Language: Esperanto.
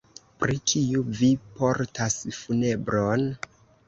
Pri kiu vi portas funebron?